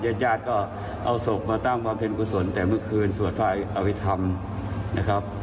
เจ้าญาติก็เอาศพมาตั้งความเพลินผู้สนแต่เมื่อคืนสวดภายอวิธรรมนะครับ